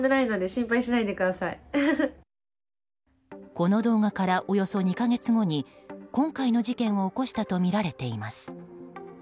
この動画からおよそ２か月後に今回の事件を起こしたとみられています。